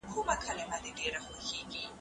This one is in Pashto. هر وګړی مسووليت لري.